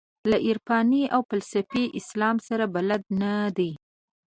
له عرفاني او فلسفي اسلام سره بلد نه دي.